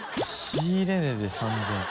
仕入れ値で３０００円。